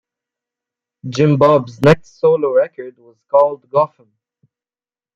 Jim Bob's next solo record was called "Goffam".